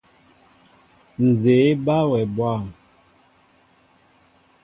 Nzѐe eba wɛ bwȃm.